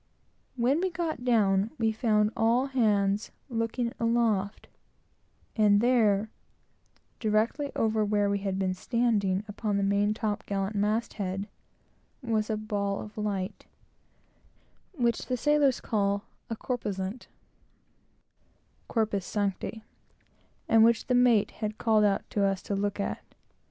When we got down we found all hands looking aloft, and there, directly over where we had been standing, upon the main top gallant mast head, was a ball of light, which the sailors name a corposant (corpus sancti), and which the mate had called out to us to look at.